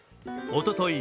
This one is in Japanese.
おととい